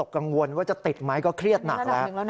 กังวลว่าจะติดไหมก็เครียดหนักแล้ว